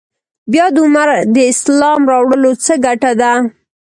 بیا د عمر د اسلام راوړلو څه ګټه ده.